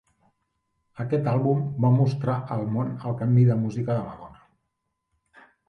Aquest àlbum va mostrar el món el canvi de música de Madonna.